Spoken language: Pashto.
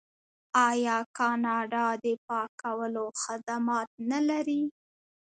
آیا کاناډا د پاکولو خدمات نلري؟